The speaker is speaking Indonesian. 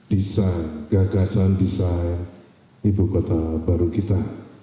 desain gagasan desain ibu kota baru kita